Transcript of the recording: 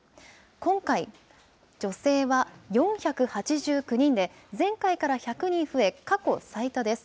今回、女性は４８９人で、前回から１００人増え、過去最多です。